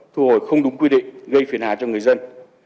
thu hồi không đúng quy định gây phiền hà cho người dân